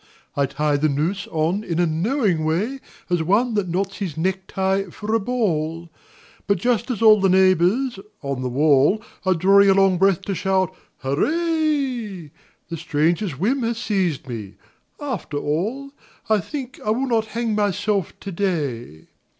I tie the noose on in a knowing way As one that knots his necktie for a ball; But just as all the neighbours — on the wall — Are drawing a long breath to shout " Hurray I " The strangest whim has seized me. ... After all I think I will not hang myself to day.